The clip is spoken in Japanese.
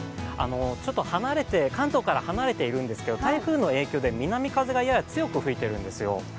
ちょっと関東から離れているんですけれども台風の影響で、南風がやや強く吹いているんですよ。